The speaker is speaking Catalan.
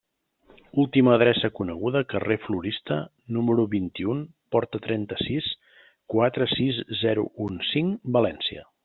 Última adreça coneguda: carrer Florista, número vint-i-u, porta trenta-sis, quatre sis zero un cinc, València.